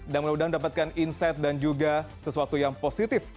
dan mudah mudahan dapatkan insight dan juga sesuatu yang positif